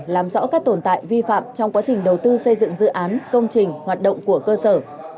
làm rõ các tồn tại vi phạm trong quá trình đầu tư xây dựng dự án công trình hoạt động của cơ sở